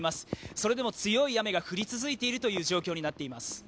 それでも強い雨が降り続いているという状況になっています。